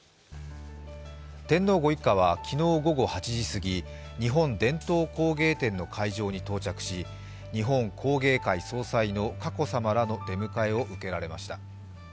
天皇ご一家は昨日午後８時過ぎ、日本伝統工芸展の会場に到着し日本工芸会総裁の佳子さまらの出迎えを受けられました。